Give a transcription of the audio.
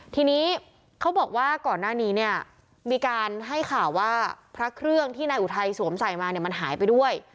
ทีนี้เขาบอกว่าก่อนหน้านี้เนี่ยมีการให้ข่าวว่าพระเครื่องที่นายอุทัยสวมใส่มาเนี่ยมันหายไปด้วย